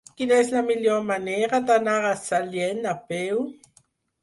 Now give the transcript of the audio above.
Quina és la millor manera d'anar a Sallent a peu?